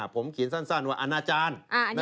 ผมเขียนสั้นว่าอนาจารย์